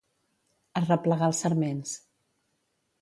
Arreplegar els sarments.